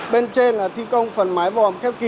bên trên là thi công phần mái vòm khép kín